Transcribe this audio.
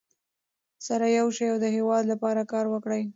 سره یو شئ او د هېواد لپاره کار وکړئ.